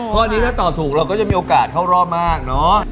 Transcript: ข้อนี้ถ้าตอบถูกเราก็จะมีโอกาสเข้ารอบมากเนอะ